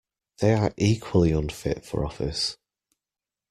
They are equally unfit for office